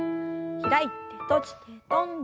開いて閉じて跳んで。